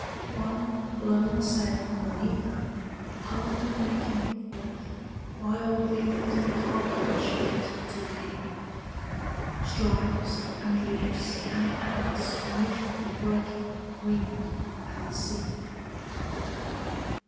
One blown sail beneath her, hardly making Forth, wild winged for harbourage yet to be, Strives and leaps and pants beneath the breaking Wind and sea.